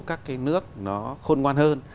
các cái nước nó khôn ngoan hơn